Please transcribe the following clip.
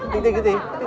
tinh tinh cái gì